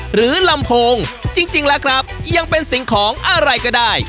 หรือลำโพงจริงแล้วครับยังเป็นสิ่งของอะไรก็ได้